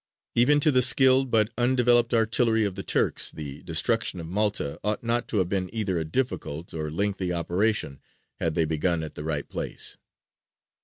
Even to the skilled but undeveloped artillery of the Turks, the destruction of Malta ought not to have been either a difficult or lengthy operation, had they begun at the right place.